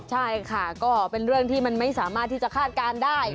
ใช่ค่ะก็เป็นเรื่องที่มันไม่สามารถที่จะคาดการณ์ได้